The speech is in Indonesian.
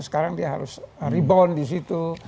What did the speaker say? sekarang dia harus rebound di situ